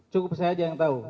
cukup saya aja yang tahu